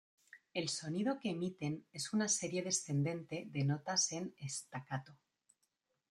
El sonido que emiten es una serie descendente de notas en staccato.